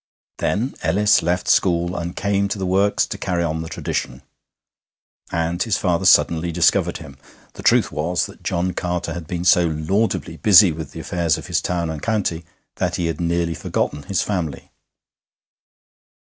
Then Ellis left school and came to the works to carry on the tradition, and his father suddenly discovered him. The truth was that John Carter had been so laudably busy with the affairs of his town and county that he had nearly forgotten his family.